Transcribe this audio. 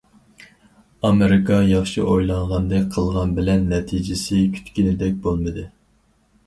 ئامېرىكا ياخشى ئويلىغاندەك قىلغان بىلەن نەتىجىسى كۈتكىنىدەك بولمىدى.